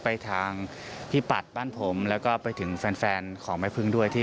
ไปทางพี่ปัดบ้านผมแล้วก็ไปถึงแฟนของแม่พึ่งด้วยที่